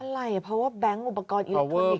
อะไรเพราะว่าแบงค์อุปกรณ์อยู่ทุนอีก